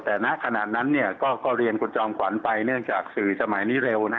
แต่ณขณะนั้นก็เรียนคุณจอมขวัญไปเนื่องจากสื่อสมัยนี้เร็ว